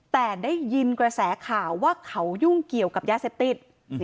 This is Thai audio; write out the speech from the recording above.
แต่ได้ยินกระแสข่าวว่าเขายุ่งเกี่ยวกับยาเสพติด